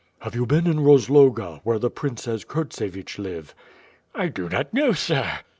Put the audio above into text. "Have you been in Rozloga, where the Princes Kurtsevich Uver "I do not knoW;, sir."